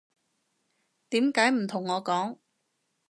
點解唔同得我講